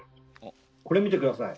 これ見て下さい。